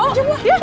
aku butuh uang